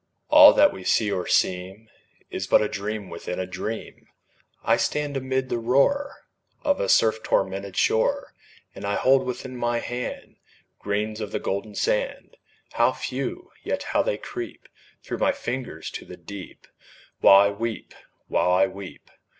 All that we see or seem Is but a dream within a dream. I stand amid the roar Of a surf tormented shore, And I hold within my hand Grains of the golden sand How few! yet how they creep Through my fingers to the deep, While I weep while I weep!